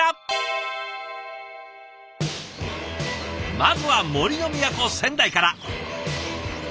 まずは杜の都仙台から。